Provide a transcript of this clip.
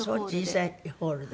小さいホールで。